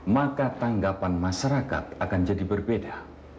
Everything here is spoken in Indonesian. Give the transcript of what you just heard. maka tanggapan masyarakat akan jadi berbeda